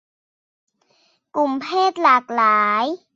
กลุ่มเพศหลากหลาย